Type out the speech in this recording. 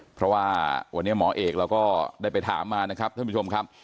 เพราะว่าวันนี้หมอเอกเราก็ได้ไปถามมานะครับท่านผู้ชมครับ